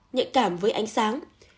nhạy cảm với ánh sáng